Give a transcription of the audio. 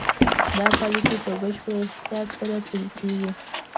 دا پالیسي په بشپړ احتیاط سره پلي کېږي.